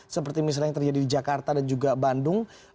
seperti misalnya yang terjadi di jakarta dan juga bandung